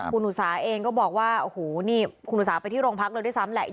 คุณอุษาเองก็บอกว่าคุณอุษาไปที่โรงพักเลยด้วยซ้ำแหละ